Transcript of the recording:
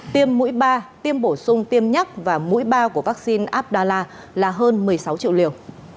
tiêm mũi ba tiêm bổ sung tiêm nhắc và mũi ba của vắc xin abdala là hơn một mươi sáu triệu liều